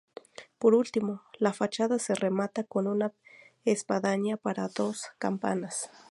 Por último, la fachada se remata con una espadaña para dos campanas.